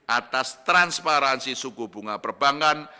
atas transparansi suku bunga perbankan